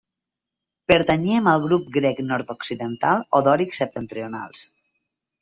Pertanyien al grup grec nord-occidental o dòrics septentrionals.